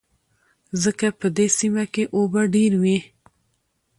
ځکه په دې سيمه کې اوبه ډېر وې.